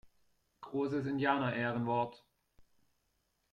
Großes Indianerehrenwort!